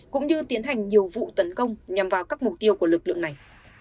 cũng như tiến hành nhiều vụ tấn công nhằm vào các mục tiêu của lực lượng này